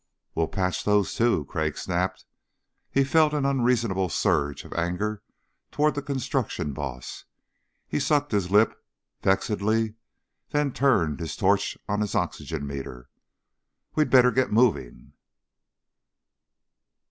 "We'll patch those, too," Crag snapped. He felt an unreasonable surge of anger toward the construction boss. He sucked his lip, vexedly, then turned his torch on his oxygen meter. "We'd better get moving."